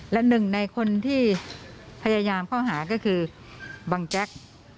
และหนึ่งในคนที่พยายามเข้าหาก็คือบังแจ๊ก